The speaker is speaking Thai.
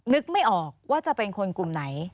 นึกไม่ออกว่าจะเป็นคนกลุ่มไหน